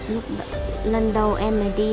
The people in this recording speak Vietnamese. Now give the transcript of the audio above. lúc lần đầu em mới đi